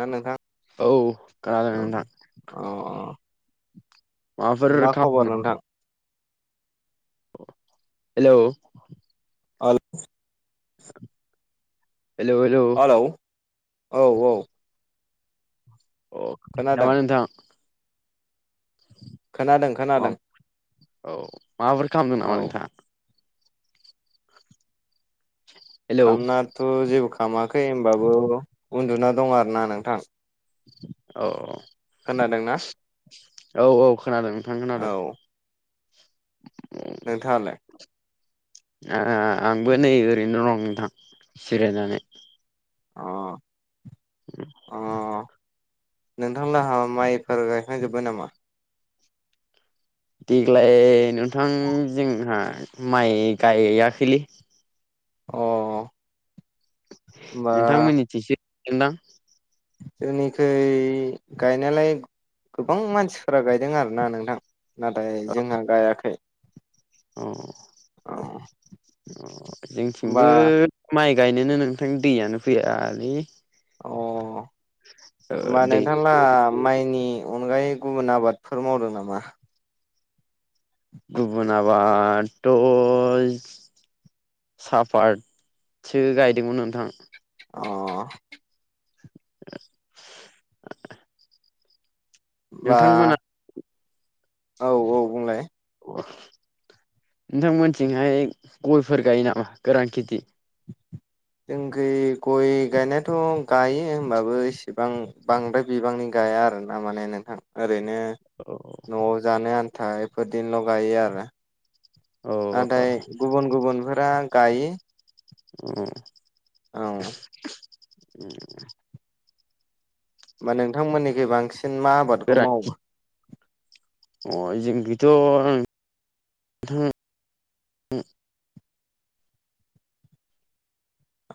ना नोंथां। औ खोनादों औ नोंथां अ माबाफोर अ मा खबर नोंथां खालामदोंनामा। हेल' आलौ। हेल' हेल' हेल' औ औ खोनायाखै खोनादों नामा नोंथां। खोनादों खोनादों। औ माबोरै खालामदों नामा औ नोंथाङा। हेलौ खामनाथ' जेबो खालामामाखै होनबाबो उन्दुना दं आरो ना नोंथां। औ। खोनादों ना। औ औ खोनादों नोंथां खोनादों। औ नोंथाङालाय। आंबो नै ओरैनो दं नोंथां जिरायनानै। अ अ। नोंथां लाहा माइफोर गायखां जोबाय नामा। देग्लाय नोंथां जोंहा माइ गायाखैलै। अ। नोंथांमोननिथिं सो गायदोंदां। जोंनिखै गायनायालाय गोबां मानसिफोरा गायदों आरोना नोंथां। नाथाय जोंहा गायाखै। अ औ अ होमबा जोंथिंबो। माइ गायनोनो नोंथां दैयानो फैयालै। अ ओ होमबा दै नोंथां लाहा। माइनि अनगायै गुबुन आबादफोर मावदों नामा। गुबुुन आबादथ'। सापातसो गायदोंमोन नोंथां। अ। ओ बा। औ औ बुंलाय। नोंथांमोनथिंहाय गयफोर गायो नामा गोरान खेथि। [unintelligible] जोंनिखै गय गय गायनायाथ' गायो होमबाबो एसेबां बांद्राय बिबांनि गाया आरो ना माने नोंथां। ओरैनो औ न'आव जानो आन्था बेफोरदिनोल' गायो आरो। अ नाथाय गुबुन गुबुनफोरा गायो। अ। औ होमबा नोंथांमोननिखुइ बांसिन मा आबादखौ गोरान मावो। अ जों बेथ' आं।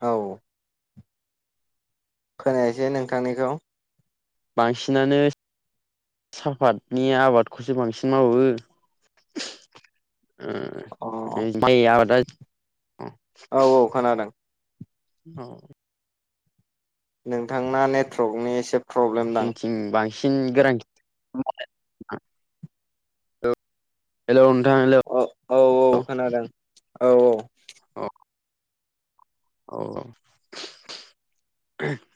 औ खोनायसै नोंथांनिखौ। बांसिनानो। सापातनि आबादखौसो बांसिन मावो। अ आ [unintelligible] औ औ खोनादों ओ। नोंथांना नेटवर्कनि एसे प्रब्लेम दां। ओम बांसिन गोरोन हेलौ नोंथां हेलौ औ औ औ खोनादों औ औ अ औ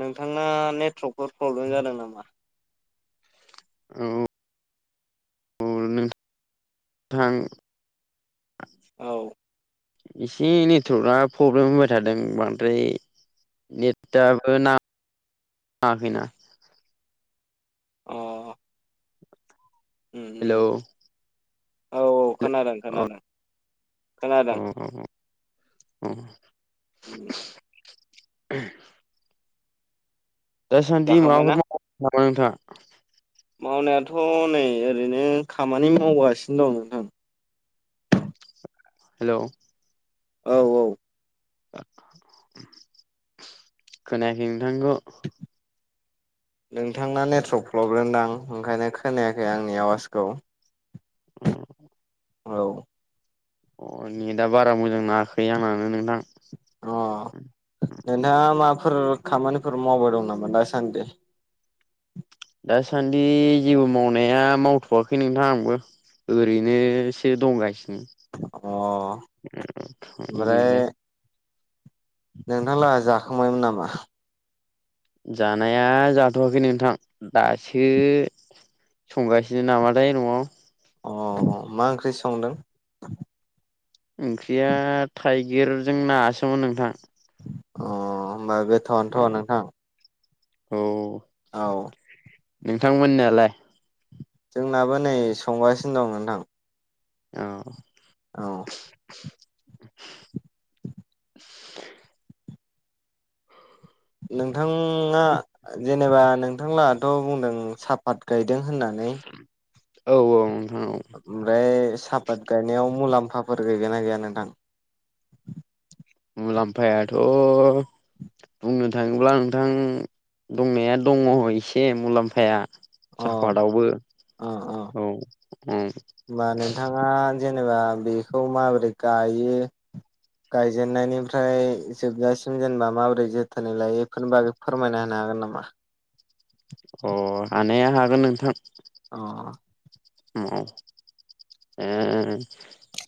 नोंथाना नेटवर्कफोर प्रब्लेम जादों नामा औ औ [unintelligible] औ एसे नेटवारर्कआ प्रब्लेम होबाय थादों बांद्राय नेथाबो ना ङाखैना अ उम उम हेलौ औ औ खोनादों अ खोनादों अ खोनादों अ उ दासान्दि माबाफोर जाखांबायना माव नामा नोंथां मावनायाथ' नै ओरैनो खामानि मावगासिनो दं नोंथां हेलौ औ औ खोनायाखै नोंथांनिखौ नोंथांना नेटवर्क प्रब्लेम दां ओंखायनो खोनायाखै आंनि आवाजखौ ओम औ अ नेटआ बारा मोजां नाङाखै आंनानो नोंथां अ नोंथाङा माबाफोर खामानिफोर मावबाय दं नामा दासान्दि दासान्दि जेबो मावनाया मावथ'वाखै नोंथां आंबो ओरैनोसो दंगासिनो अ ओमफ्राय [inaudible] नोंथांलाहा जाखांबायमोन नामा? जानाया जाथ'वाखै नोंथां दासो संगासिनो नामाथाय न'आव अ मा ओंख्रि संदों? ओंख्रिया थाइगिरजों नासोमोन नोंथां अ होमबा बेथ'आनोथ' नोंथां औ औ नोंथांमोननालाय जोंनाबो नै संगासिनो दं नोंथां औ औ नोंथाङा जेनेबा नोंथांलाहाथ' बुंदों सापात गायदों होननानै औ औ नोंथां औ ओमफ्राय सापात गायनायाव मुलाम्फाफोर गैगोना गैया नोंथां मुलाम्फायाथ' बुंनो थाङोब्ला नोंथां दंनाया दङ एसे मुलाम्फाया अ सापातआवबो औ ओम होनबा नोंथाङा जेनेबा बेखौ माबोरै गायो गायजेननायनिफ्राय जोबजासिम जेनेबा माबोरै जोथोनै लायो एफोरनि बागै फोरमायना होनो हागोन नामा? अ हानाया हागोन नोंथां। अ औ औ ओ ओम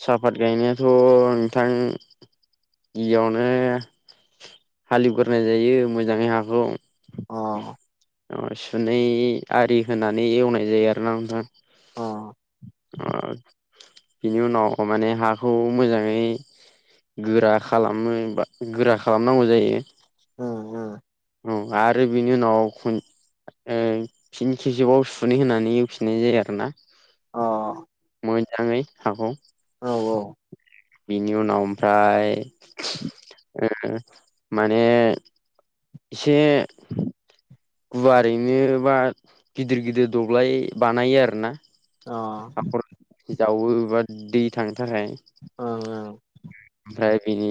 सापात गायनायाथ' नोंथां? गिबियावनो हालेवग्रोनाय जायो मोजांङै हाखौ अ ओ सुनै आरि होनानै एवनाय जायो आरोना नोंथां। अ ओ बिनि उनाव माने हाखौ मोजांङै। गोरा खालाम बा गोरा खालामनांगौ जायो। उम उम औ आरो बिनि उनाव खन ओम फिन खिबसेबाव सुनै होनानै एवफिननाय जायो आरो ना। अ मोजांङै हाखौ औ औ बिनि उनाव ओमफ्राय ओ माने एसे गुवार ओरैनो बा गिदिर गिदिर दबलाय बानायो आरो ना। अ खर' जावो बा दै थांनो थाखाय। ओं ओं ओमफ्राय बिनि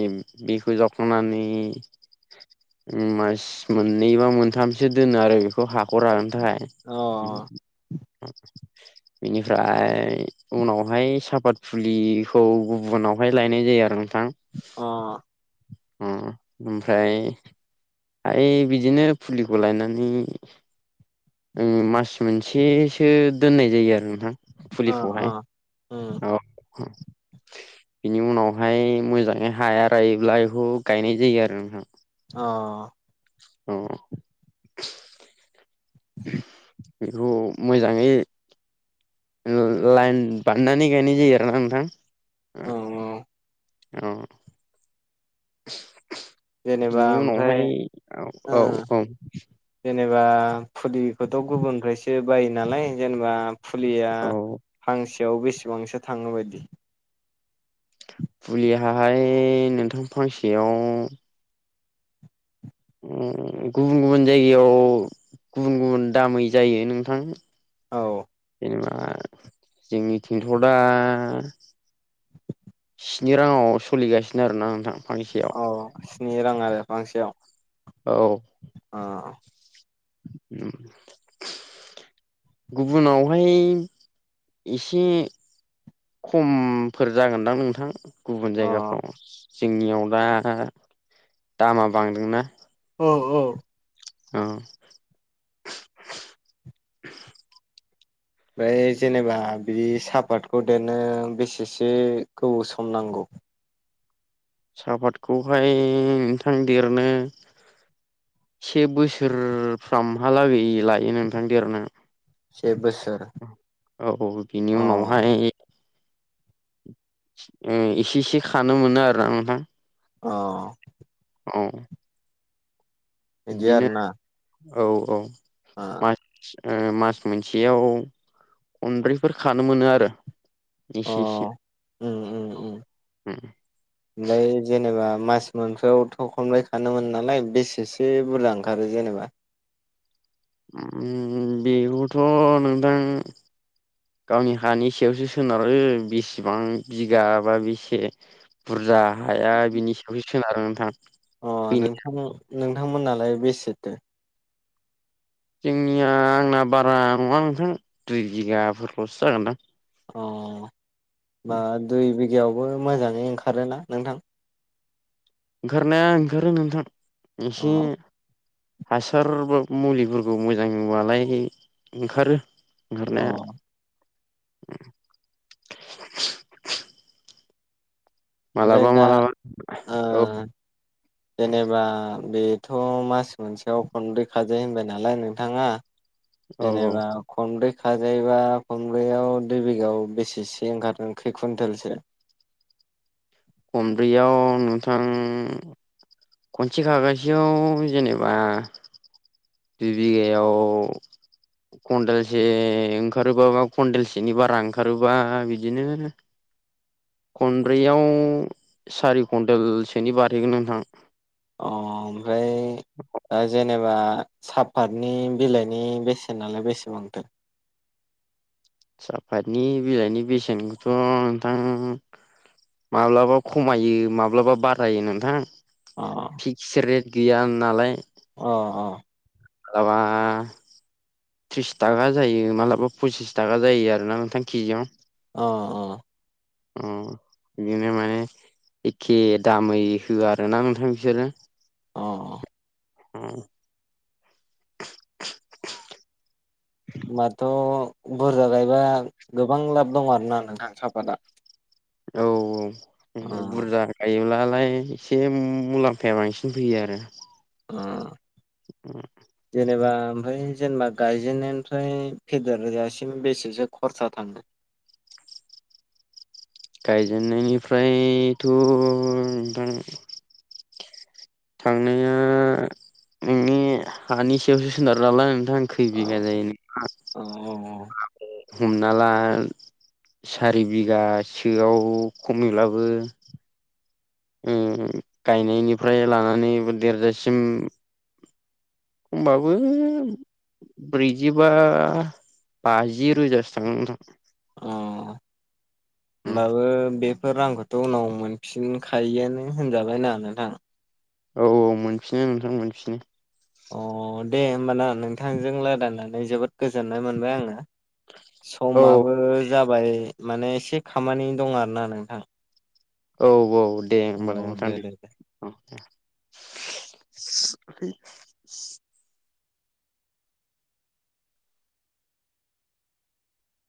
बिखौ जावखांनानै मास मोननैबा मोनथामसो दोनो आरो बेखौ हाखौ राननो थाखाय। ओम बेनिफ्राय उनावहाय सापात फुलिखौ गुबुनावहाय लायनाय जायो आरो। नोंथां? अ अ ओमफ्राय माने बिदिनो फुलिखौ लायनानै मास मोनसेसो दोननाय जायो आरो नोंथां। अ फुलिखौहाय उम औ बिनि उनाव हाय मोजांङै हाया रायोब्ला बेखौ गायनाय जायो आरो ना नोंथां। अ औ बेखौ मोजांङै लाइन बानायनानै गायनाय जायो आरोना नोंथां। औ औ जेनेबा बेनि ओमफ्राय उनावहाय औ ओ औ औ जेनेबा फुलिखौथ' गुबुननिफ्रायसो बायो नालाय जेनेबा फुलिया औ फांसेयाव बेसेबांसो थाङो बायदि? फुलिहाहाय नोंथां फांसेयाव गुबुन गुबुन जायगायाव गुबुन गुबुन दामै जायो नोंथां। औ जेनेबा जोंनिथिंथ' दा स्नि रांङाव सलिगासिनो आरोना नोंथां फांसे अह स्नि रां आरो फांसेयाव। औ आ उम गुबुनावहाय एसे खमफोर जागोनदां नोंथां गुबुन अ औ जायगाफ्राव जोंनियाव दा दा दामा बांदोंना औ औ उम ओमफ्राय जेनेबा बि सापातखौ देरनो बेसेसो गोबाव सम नांगौ सापातखौहाय नोंथां देरनो से बोसोरफ्रामहालागै लायो नोंथां देरनो सेे बोसोर औ औ बिनि अ उनावहाय उम इसे इसे खानो मोनो आरो नोंथां अ औ बिदि बिदिनो आरोना औ औ आ मास ओ मास मोनसेयाव खनब्रैफोर खानो मोनो आरो अ एसे एसे उम उम उम [unintelligible] [inaudible] ओमफ्राय जेनेबा मास मोनफाआव'थ खनबाय खानो मोनो नालाय बेसेसो बुरजा ओंखारो जेनेबा उम बेबोथ' नोंथां गावनि हानि सायावसो सोनारो बेसेबां बिगा बा बेसे बुरजा हाया बिनि सायावसो सोनारो नोंथां अह फैनाया नोंथां नोंथांमोननालाय बेसेथो जोंनिया आंना बारा नङा नोंथां दुइ बिगाफोरल'सो जागोनदां अह होमबा दुइ बिगायावबो मोजाङै ओंखारोना नोंथां ओंखारनाया ओंखारो नोंथां अ एसे हासार बा मुलिफोरखौ मोजां होबालाय ओंखारो अ ओंखारनाया ओमफ्राय मालाबा दा मालाबा ओ औ जेनेबा बेथ' मास मोनसेयाव खनब्रै खाजायो होनबाय नालाय नोंथाङा औ औ जेनबा खनब्रै खाजायोबा खनब्रैयाव दुइ बिगायाव बेसेसो ओंखारो खै कुन्टेलसो खनब्रैयाव नोंथां खनसे खागासेयाव जेनेबा दुइ बिगायाव कन्देलसे ओंखारोबा बा कन्देलसेनि बारा ओंखारोबा बिदिनो [inaudible] खनब्रैयाव सारि कन्टेलसोनि बारहैगोन नोंथां अह ओमफ्राय दा जेनेबा साफातनि बिलाइनि बेसेन नालाय बेसेबांथो साफातनि बिलाइनि बेसेनखौथ' नोंथां माब्लाबा खमायो माब्लाबा बारायो नोंथां अ फिक्स रेट गैया नालाय अ अ लाबा थ्रिस थाखा जायो मालाबा पसिस थाखा जायो आरोना नोंथां केजियाव अ अ अ बिदिनो माने एखे दामै होआ आरोना नोंथां बिसोरजों। अ। [unintelligible] होनोमबाथ' बुरजा गायबा गोबां लाब दं आरोना नोंथां साफातआ। औ औ बुरजा गायोब्लालाय एसे मुलाम्फाया बांसिन फैयो आरो। [unintelligible] [unintelligible] जेनेबा ओमफ्राय जेनेबा गायजेननायनिफ्राय फेदेरजासिम बेसेसो खरसा थाङो? गायजेननायनिफ्रायथ' नोंथां। थांनो हानि सायावसो सोनारनाला नोंथां खै अ बिगा जायो। अ औ [unintelligible] हमना ला सारि बिगासोआव खमैब्लाबो गायनायनिफ्राय लानानै देरजासिम एखमबाबो ब्रैजिबा बाजि रोजासो थांनो थां अ नोंथां होनोमब्लाबो बे बेफोर रांखौथ' उनाव मोनफिनखायोआानो होनजाबायनाङा नोंथां। औ औ मोनफिनो नोंथां मोनफिनो। अ दे होमबाना नोंथांजों रायदनानै जोबोद गोजोननाय मोनबाय आङो औ समाबो जाबाय माने एसे खामानि दं आरो ना नोंथां। औ औ दे होमबालाय नोंथां दे। [unintelligible]